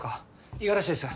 五十嵐です。